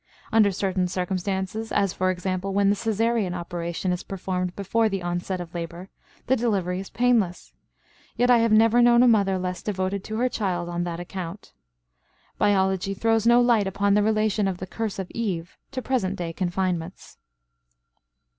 Under certain circumstances, as for example when the Cesarean operation is performed before the onset of labor, the delivery is painless; yet I have never known a mother less devoted to her child on that account. Biology throws no light upon the relation of the "curse of Eve" to present day confinements.